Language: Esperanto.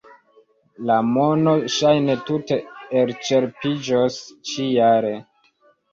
La mono ŝajne tute elĉerpiĝos ĉi-jare.